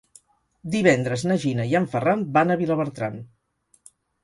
Divendres na Gina i en Ferran van a Vilabertran.